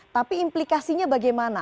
tapi implikasinya bagaimana